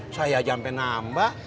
saya aja sampe nambah